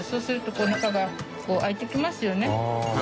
こう中が開いてきますよね。